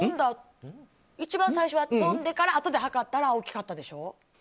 １番最初は飛んであとで測ったら大きかったんでしょ。